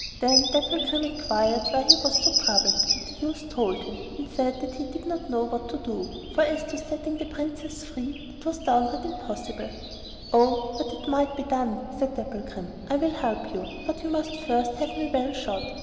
Then Dapplegrim inquired why he was so troubled, and the youth told him, and said that he did not know what to do, 'for as to setting the Princess free, that was downright impossible.' 'Oh, but it might be done,' said Dapplegrim. 'I will help you; but you must first have me well shod.